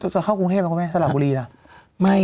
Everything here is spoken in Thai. จะเข้ากรุงเทพฯหรือเปล่าสละบุรี